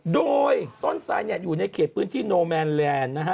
โดยต้นไซดอยู่ในเขตพื้นที่โนแมนแลนด์นะฮะ